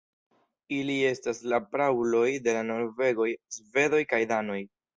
Ili estas la prauloj de la norvegoj, svedoj kaj danoj.